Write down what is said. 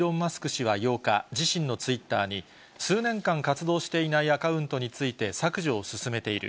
氏は８日、自身のツイッターに、数年間活動していないアカウントについて、削除を進めている。